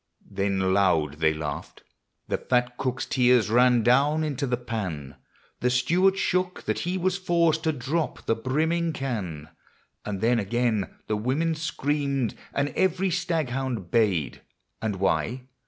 Then loud they laughed ; the fat cook's tears ran down into the pan ; The steward shook, that he was forced to drop the brimming can ; And then again the women screamed, and every staghound bayed, — And why